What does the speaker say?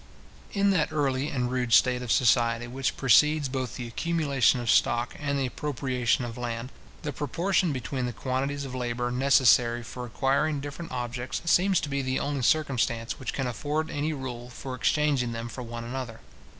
In that early and rude state of society which precedes both the accumulation of stock and the appropriation of land, the proportion between the quantities of labour necessary for acquiring different objects, seems to be the only circumstance which can afford any rule for exchanging them for one another.